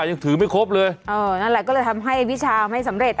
ยังถือไม่ครบเลยเออนั่นแหละก็เลยทำให้วิชาไม่สำเร็จ